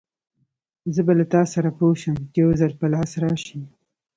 زه به له تاسره پوه شم، چې يوځل په لاس راشې!